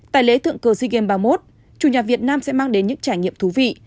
tại lễ thượng cờ sea games ba mươi một chủ nhà việt nam sẽ mang đến những trải nghiệm thú vị